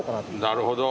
なるほど。